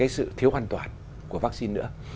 sự thiếu an toàn của vaccine nữa